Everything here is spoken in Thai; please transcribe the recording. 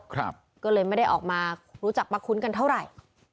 ก็เลยไม่ได้ออกมารู้จักมาคุ้นกันเท่าไหร่